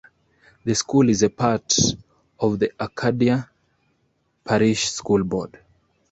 The school is a part of the Acadia Parish School Board.